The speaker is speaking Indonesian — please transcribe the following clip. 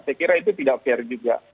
saya kira itu tidak fair juga